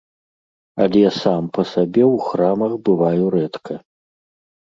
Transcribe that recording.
Але сам па сабе ў храмах бываю рэдка.